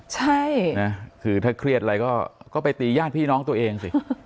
ถ้าไม่เครียดอะไรก็ไปตีญาติพี่น้องตัวเองสิ